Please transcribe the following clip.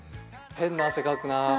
変な汗かくな。